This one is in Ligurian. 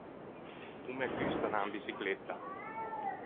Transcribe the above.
O me gusta anâ in biçicletta.